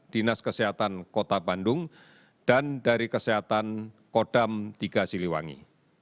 dinas kesehatan kota bandung dan dari kesehatan kodam tiga siliwangi